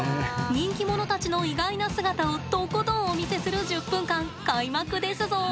人気者たちの意外な姿をとことんお見せする１０分間開幕ですぞ。